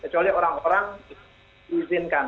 kecuali orang orang diizinkan